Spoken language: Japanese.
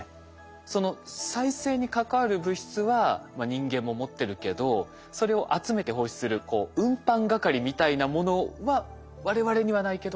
その再生に関わる物質は人間も持ってるけどそれを集めて放出する運搬係みたいなものは我々にはないけどイモリにはあるっていう。